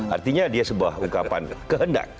artinya dia sebuah ungkapan kehendak